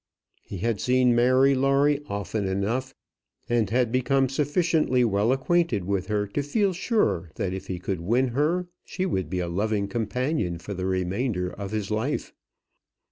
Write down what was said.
He had seen Mary Lawrie often enough, and had become sufficiently well acquainted with her to feel sure that if he could win her she would be a loving companion for the remainder of his life.